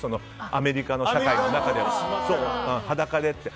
アメリカの社会の中では裸でって。